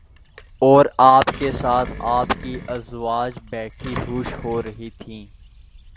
اور آپ کے ساتھ آپ کی ازواج بیٹھی خوش ہو رہی تھیں